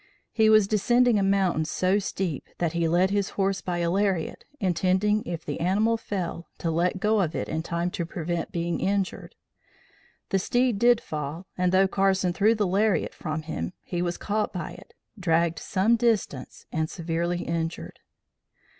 He was descending a mountain, so steep that he led his horse by a lariat, intending, if the animal fell, to let go of it in time to prevent being injured. The steed did fall and though Carson threw the lariat from him, he was caught by it, dragged some distance and severely injured.